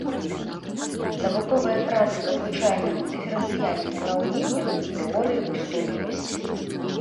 Навуковыя працы па звычайных дыферэнцыяльных ураўненнях і тэорыі ўстойлівасці.